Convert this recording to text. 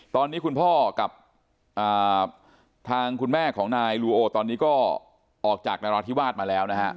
ตอนนี้คุณพ่อกับทางคุณแม่ของนายลูโอตอนนี้ก็ออกจากนราธิวาสมาแล้วนะฮะ